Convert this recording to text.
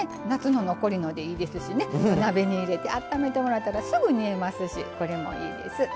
夏の残りのでいいですし鍋に入れて温めてもらったらすぐに煮えますし、いいです。